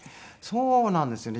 そうなんですよね。